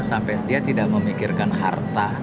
sampai dia tidak memikirkan harta